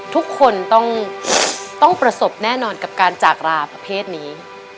ทุกคนต้องประสบแน่นอนกับการจากราประเภทนี้